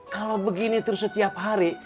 kalau begini terus setiap hari